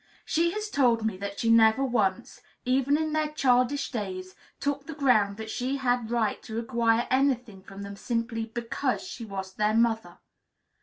She has told me that she never once, even in their childish days, took the ground that she had right to require any thing from them simply because she was their mother.